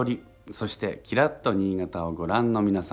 そして「きらっと新潟」をご覧の皆様。